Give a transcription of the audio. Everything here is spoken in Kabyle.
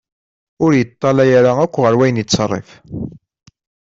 Ur yeṭallay ara akk ɣer wayen yettserrif.